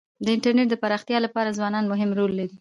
د انټرنيټ د پراختیا لپاره ځوانان مهم رول لري.